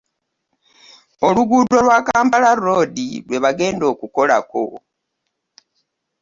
Oluguudo lwa Kampala road lwe bagenda okukolako